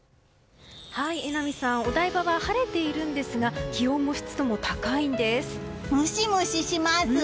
榎並さん、お台場は晴れているんですがムシムシします。